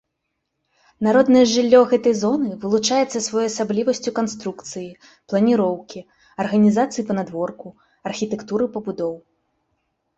Народнае жыллё гэтай зоны вылучаецца своеасаблівасцю канструкцыі, планіроўкі, арганізацыі панадворку, архітэктуры пабудоў.